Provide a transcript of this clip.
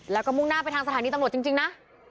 แล้วก็มุ่งหน้าไปทางสถานีตำรวจจริงนะ